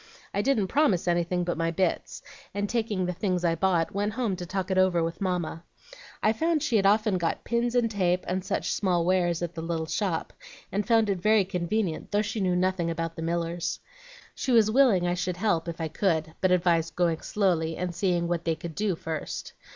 I didn't promise anything but my bits, and, taking the things I bought, went home to talk it over with Mamma. I found she had often got pins and tape, and such small wares, at the little shop, and found it very convenient, though she knew nothing about the Millers. She was willing I should help if I could, but advised going slowly, and seeing what they could do first.